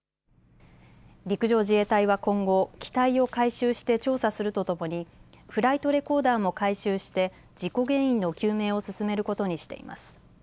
陸上自衛隊は今後、機体を回収して調査するとともにフライトレコーダーも回収して事故原因の究明を進めることにしています。